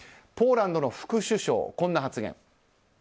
ポーランドの副首相はこんな発言。